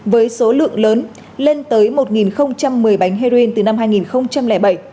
với số lượng lớn lên tới một một mươi bánh heroin từ năm hai nghìn bảy